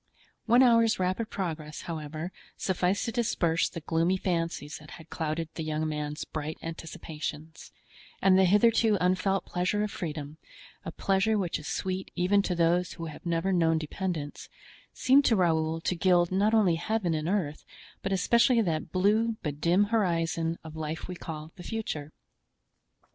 One hour's rapid progress, however, sufficed to disperse the gloomy fancies that had clouded the young man's bright anticipations; and the hitherto unfelt pleasure of freedom—a pleasure which is sweet even to those who have never known dependence—seemed to Raoul to gild not only Heaven and earth, but especially that blue but dim horizon of life we call the future.